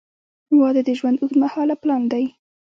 • واده د ژوند اوږدمهاله پلان دی.